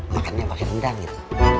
makannya pake rendang gitu